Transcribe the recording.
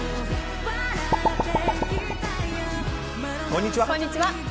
こんにちは。